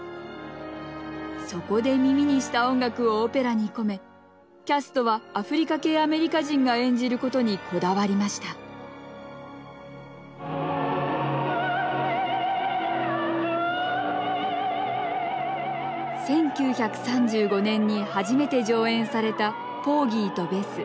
そこで耳にした音楽をオペラに込めキャストはアフリカ系アメリカ人が演じることにこだわりました１９３５年に初めて上演された「ポーギーとベス」。